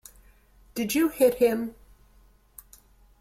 Did you hit him?